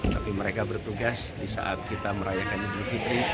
tapi mereka bertugas di saat kita merayakan idul fitri